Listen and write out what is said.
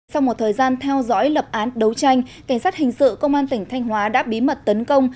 sau một thời gian theo dõi lập án đấu tranh cảnh sát hình sự công an tỉnh thanh hóa đã bí mật tấn công